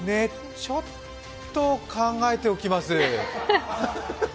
ちょっと考えておきます。